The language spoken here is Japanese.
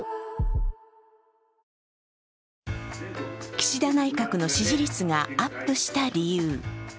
岸田内閣の支持率がアップした理由。